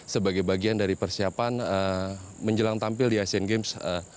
sebagai bagian dari persiapan menjelang tampil di asean games dua ribu delapan belas